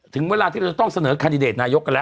ถึงเวลาที่เราต้องเสนอคันดิเดตนายกกันแล้ว